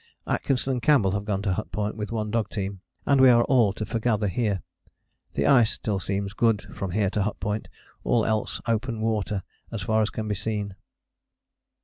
Atkinson and Campbell have gone to Hut Point with one dog team, and we are all to forgather here. The ice still seems good from here to Hut Point: all else open water as far as can be seen.